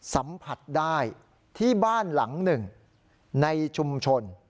สัมผัสได้ที่บ้านหลังหนึ่งในชุมชน